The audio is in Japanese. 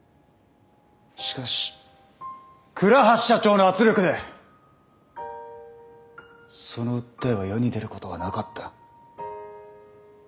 しかし倉橋社長の圧力でその訴えは世に出ることはなかった。